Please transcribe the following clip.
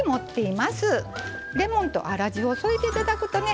レモンと粗塩を添えて頂くとね